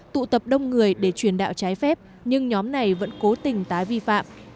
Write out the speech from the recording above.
tụ tập đông người để truyền đạo trái phép nhưng nhóm này vẫn cố tình tái vi phạm